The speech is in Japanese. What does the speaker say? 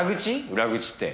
裏口って。